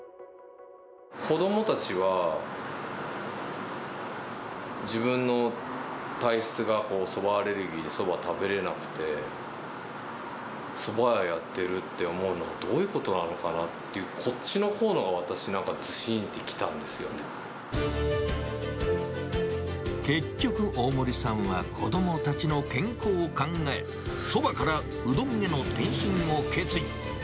子どもたちは、自分の体質がそばアレルギーで、そば食べれなくて、そば屋をやってるって思うの、どういうことなのかなって、こっちのほうのが私、結局、大森さんは子どもたちの健康を考え、そばからうどんへの転身を決意。